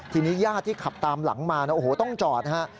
ทีนี้ญาติที่ขับตามหลังมานะโอ้โหต้องจอดนะฮะ